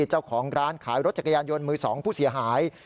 เจ้าของร้านขายรถจักรยานยนต์มือ๒ผู้เสียหาย